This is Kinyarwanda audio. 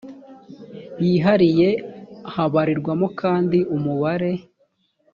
yihariye habarirwamo kandi umubare